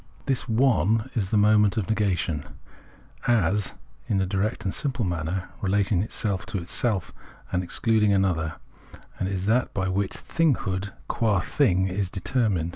The " One " is the moment of negation, as, in a direct and simple manner, relating itself to itself, and excluding an other : and is that by Vvfliich " Thinghood " qua Thing is determined.